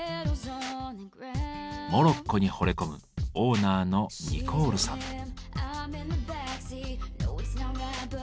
モロッコにほれ込むオーナーのニコールさん。